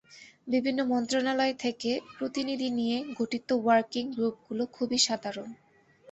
বিভিন্ন মন্ত্রণালয় থেকে প্রতিনিধি নিয়ে গঠিত ওয়ার্কিং গ্রুপগুলো খুবই সাধারণ।